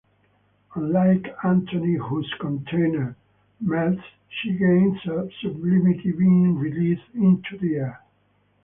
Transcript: Unlike Antony whose container melts, she gains a sublimity being released into the air.